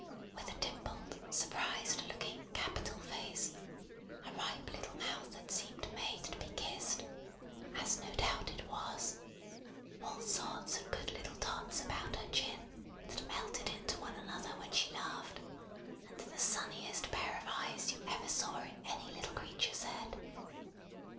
With a dimpled, surprised looking, capital face; a ripe little mouth, that seemed made to be kissed as no doubt it was; all kinds of good little dots about her chin, that melted into one another when she laughed; and the sunniest pair of eyes you ever saw in any little creature's head.